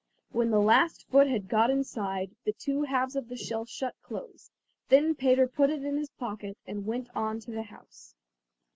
When the last foot had got inside, the two halves of the shell shut close. Then Peter put it in his pocket and went on to the house.